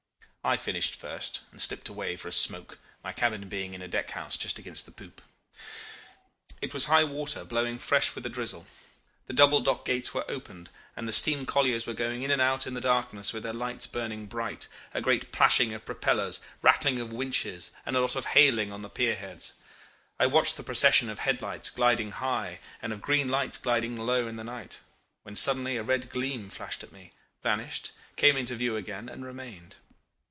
I finished first, and slipped away for a smoke, my cabin being in a deck house just against the poop. It was high water, blowing fresh with a drizzle; the double dock gates were opened, and the steam colliers were going in and out in the darkness with their lights burning bright, a great plashing of propellers, rattling of winches, and a lot of hailing on the pier heads. I watched the procession of head lights gliding high and of green lights gliding low in the night, when suddenly a red gleam flashed at me, vanished, came into view again, and remained.